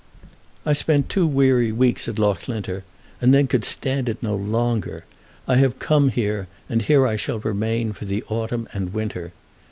I spent two weary weeks at Loughlinter, and then could stand it no longer. I have come here, and here I shall remain for the autumn and winter.